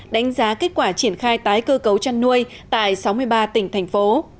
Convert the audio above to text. đánh giá kết quả triển khai tái cơ cấu chăn nuôi tại sáu mươi ba tỉnh thành phố